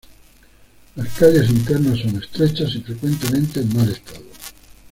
Las calles internas son estrechas y frecuentemente en mal estado.